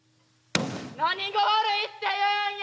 何が悪いって言うんよ！